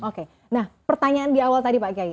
oke nah pertanyaan di awal tadi pak kiai